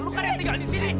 lu kan yang tinggal disini